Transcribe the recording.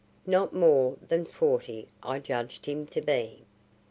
Not more than forty I judged him to be.